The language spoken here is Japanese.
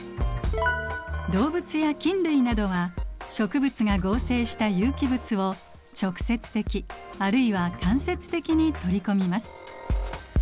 動物や菌類などは植物が合成した有機物を直接的あるいは間接的に取り込みます。